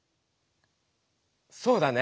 そうだね。